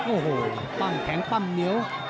โอ้โหปั้งแข็งปั้มเหนียว